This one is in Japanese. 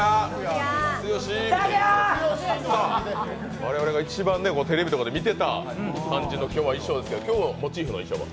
我々が一番テレビとかで見ていた感じの衣装ですけど今日モチーフの衣装は？